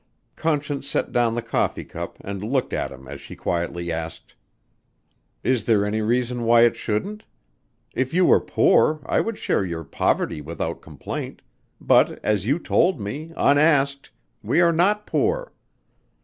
Conscience set down the coffee cup and looked at him as she quietly asked, "Is there any reason why it shouldn't? If you were poor, I would share your poverty without complaint, but as you told me, unasked, we are not poor.